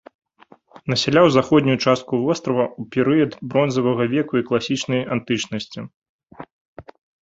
Насяляў заходнюю частку вострава ў перыяд бронзавага веку і класічнай антычнасці.